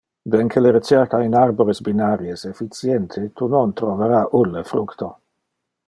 Ben que le recerca in arbores binari es efficiente, tu non trovara ulle fructo.